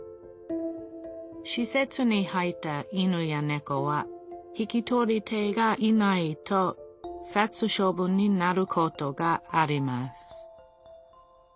しせつに入った犬やねこは引き取り手がいないと殺処分になることがあります。